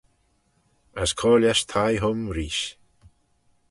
As cur lesh thie hym reesht.